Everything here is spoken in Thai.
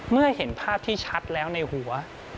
เมื่อเห็นภาพที่ชัดแล้วในหัว